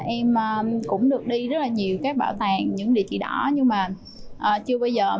em cũng được đi rất là nhiều các bảo tàng những địa chỉ đó